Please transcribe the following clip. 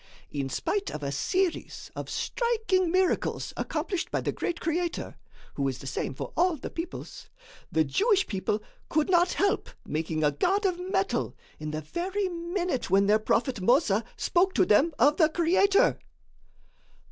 In spite of a series of striking miracles accomplished by the great Creator, who is the same for all the peoples, the Jewish people could not help making a god of metal in the very minute when their prophet Mossa spoke to them of the Creator!